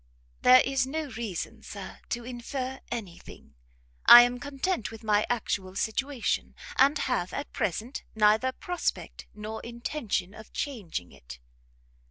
"There is no reason, Sir, to infer any thing; I am content with my actual situation, and have, at present, neither prospect nor intention of changing it."